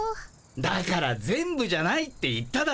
だから「全部じゃない」って言っただろ。